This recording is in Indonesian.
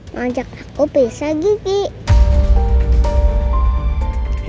ngajak aku besa gigi